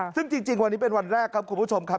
ซึ่งจริงวันนี้เป็นวันแรกครับคุณผู้ชมครับ